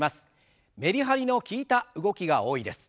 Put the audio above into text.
メリハリの利いた動きが多いです。